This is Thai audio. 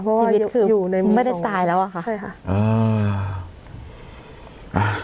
เพราะว่าชีวิตคืออยู่ในไม่ได้ตายแล้วอ่ะค่ะใช่ค่ะอ่า